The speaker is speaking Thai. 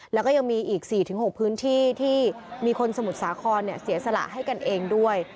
แล้วก็ยังมีอีก๔๖พื้นที่ที่มีคนสมุทรสาครเสียสละให้กันเองด้วย